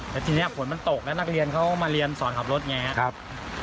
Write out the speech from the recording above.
แล้วทีนี้ฝนมันตกแล้วนักเรียนเขามาเรียนสอนขับรถไงครับ